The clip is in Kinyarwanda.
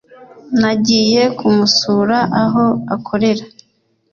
Nagiye kumusura aho akorera